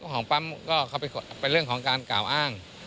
ของปั๊มก็เขาเป็นเรื่องของการกล่าวอ้าง